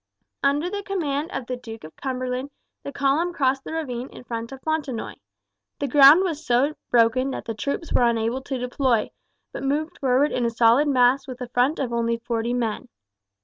Under the command of the Duke of Cumberland the column crossed the ravine in front of Fontenoy. The ground was so broken that the troops were unable to deploy, but moved forward in a solid mass with a front of only forty men.